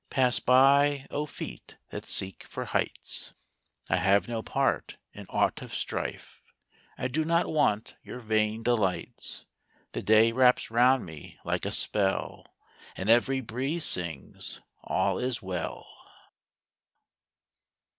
Pass by, oh, feet that seek for heights! I have no part in aught of strife; I do not want your vain delights. The day wraps round me like a spell, And every breeze sings, "All is well."